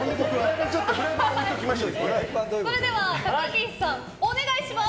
それでは高岸さんお願いします！